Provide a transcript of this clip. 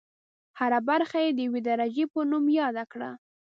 هره برخه یې د یوې درجې په نوم یاده کړه.